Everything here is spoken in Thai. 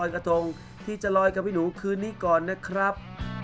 โปรดติดตามตอนต่อไป